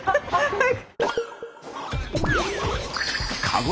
はい。